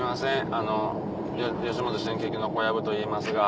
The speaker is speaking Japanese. あの吉本新喜劇の小籔といいますが。